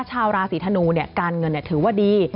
ชาวลาศรีธนูเนี่ยการเงินถือว่าดี